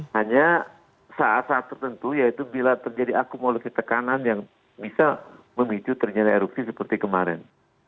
hanya saat saat tertentu yaitu bila terjadi akumulasi tekanan yang bisa memicu terjadinya erupsi seperti kemarin